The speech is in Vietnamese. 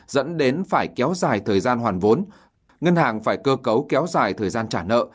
dẫn đến phải kéo dài thời gian hoàn vốn ngân hàng phải cơ cấu kéo dài thời gian trả nợ